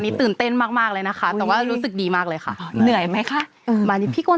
ตื่นเต้นมากมากเลยนะคะแต่ว่ารู้สึกดีมากเลยค่ะเหนื่อยไหมคะมานี่พี่ก้น